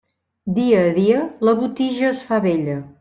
Dia a dia la botija es fa vella.